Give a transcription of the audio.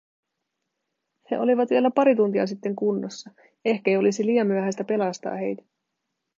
He olivat vielä pari tuntia sitten kunnossa… Ehkei olisi liian myöhäistä pelastaa heitä.